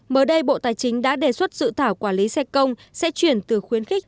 mới đây bộ tài chính đã đề xuất dự thảo quản lý xe công sẽ chuyển từ khuyến khích